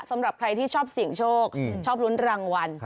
สำหรับใครที่ชอบเสี่ยงโชคชอบลุ้นรางวัล